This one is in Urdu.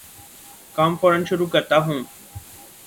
کام فورا شروع کرتا ہوں